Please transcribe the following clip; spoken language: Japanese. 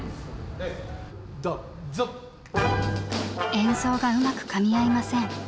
演奏がうまくかみ合いません。